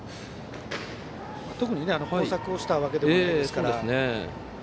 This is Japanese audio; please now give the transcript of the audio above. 特に交錯をしたわけではないですから。